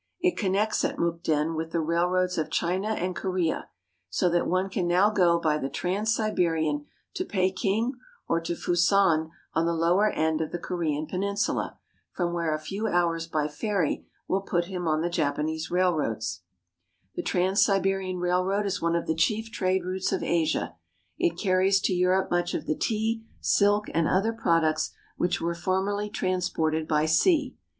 It connects at Mukden with the rail roads of China and Korea, so that one can now go by the Trans Siberian to Peking, or to Fusan on the lower end of the Korean peninsula, from where a few hours by ferry will put him on the Japanese railroads. SIBERIA 375 The Trans Siberian Railroad is one of the chief trade routes of Asia. It carries to Europe much of the tea, silk, and other products which were formerly transported by sea.